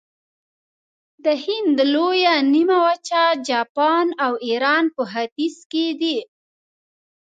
د هند لویه نیمه وچه، جاپان او ایران په ختیځ کې دي.